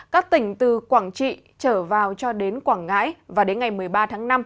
các tỉnh từ quảng trị trở vào cho đến quảng ngãi và đến ngày một mươi ba tháng năm